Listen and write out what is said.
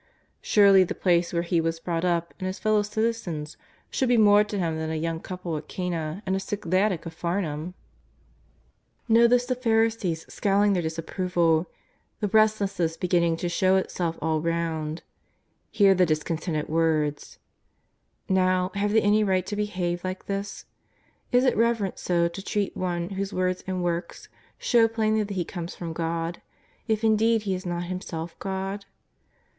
Surely the place where He was brought up and His fellow citizens should be more to Him than a young couple at Cana and a sick lad at Capharnaum ?" Xotice the Pharisees scowling their disapproval, the restlessness beginning to show itself all round. Hear the discontented words. I^ow, have they any right to behave like this ? Is it reverent so to treat One whose words and works show plainly that He comes from God, if indeed He is not Himself God